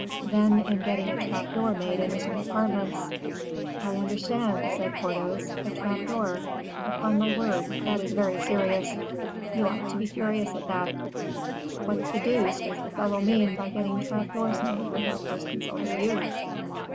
"Then in getting a trap door made in his new apartments." "I understand," said Porthos; "a trap door: upon my word, that is very serious; you ought to be furious at that. What the deuce does the fellow mean by getting trap doors made without first consulting you?